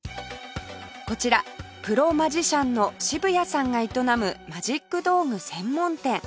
こちらプロマジシャンの渋谷さんが営むマジック道具専門店